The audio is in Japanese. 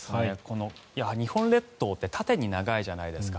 日本列島って縦に長いじゃないですか。